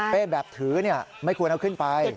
เป้แบบถือนี่ไม่ควรเอาขึ้นไป